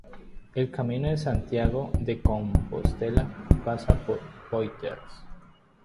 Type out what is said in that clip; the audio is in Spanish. El camino de Santiago de Compostela pasa por Poitiers.